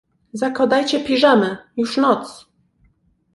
Zakładajcie piżamy, już noc.